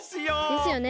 ですよね。